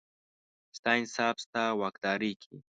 ستا انصاف، ستا واکدارۍ کې،